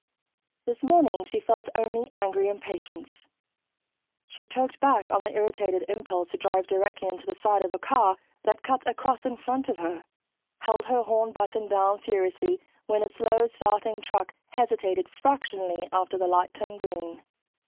This morning she felt only angry impatience; she choked back on the irritated impulse to drive directly into the side of a car that cut across in front of her, held her horn button down furiously when a slow starting truck hesitated fractionally after the light turned green.